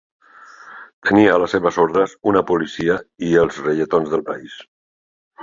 Tenia a les seves ordres una policia, i els reietons del país.